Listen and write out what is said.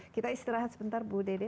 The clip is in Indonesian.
kita istirahat sebentar bu dede